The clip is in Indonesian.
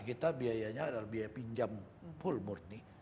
kita biayanya adalah biaya pinjam pulmurni